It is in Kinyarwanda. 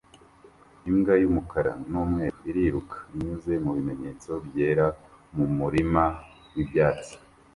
imbwa yumukara numweru iriruka inyuze mubimenyetso byera mumurima wibyatsi